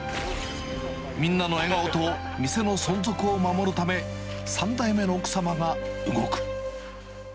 みんなの笑顔と店の存続を守るため、３代目の奥様が動く。